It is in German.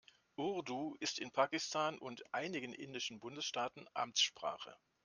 Urdu ist in Pakistan und einigen indischen Bundesstaaten Amtssprache.